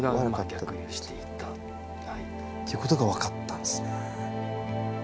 っていうことが分かったんですね。